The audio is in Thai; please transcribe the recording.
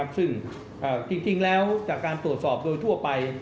ซึ่งจริงแล้วจากการตรวจสอบโดยทั่วไป